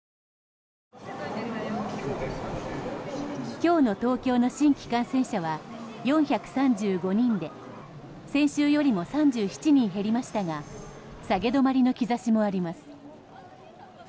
今日の東京の新規感染者は４３５人で先週よりも３７人減りましたが下げ止まりの兆しもあります。